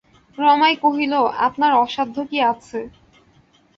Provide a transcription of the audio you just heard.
রমাই কহিল, আপনার অসাধ্য কী আছে?